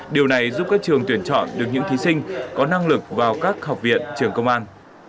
điều này giúp các trường tuyển chọn được những thí sinh có năng lực vào các học viện trường công an